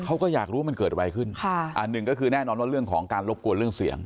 เขาก็อยากรู้ว่ามันเกิดอะไรขึ้นค่ะอันหนึ่งก็คือแน่นอนว่าเรื่องของการรบกวนเรื่องเสียง